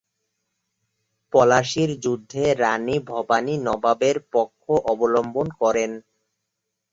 পলাশীর যুদ্ধে রাণী ভবানী নবাবের পক্ষ অবলম্বন করেন।